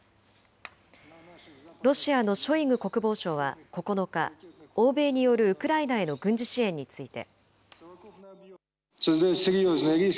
ロシアのショイグ国防相は９日、欧米によるウクライナへの軍事支援について。